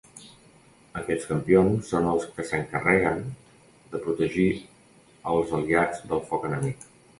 Aquests campions són els que s'encarreguen de protegir als aliats del foc enemic.